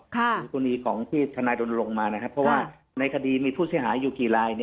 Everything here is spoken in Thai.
คือกรณีของที่ธนายดนลงมานะครับเพราะว่าในคดีมีผู้เสียหายอยู่กี่ลาย